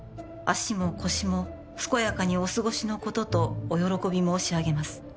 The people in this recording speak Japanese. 「足も腰も健やかにお過ごしのこととお喜び申し上げます」